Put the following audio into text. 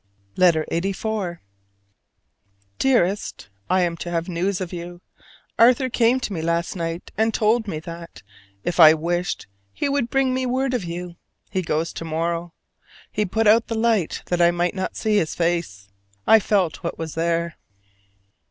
LETTER LXXXIV. Dearest: I am to have news of you. Arthur came to me last night, and told me that, if I wished, he would bring me word of you. He goes to morrow. He put out the light that I might not see his face: I felt what was there.